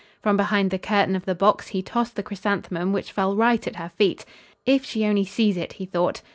From behind the curtain of the box he tossed the chrysanthemum, which fell right at her feet. "If she only sees it," he thought.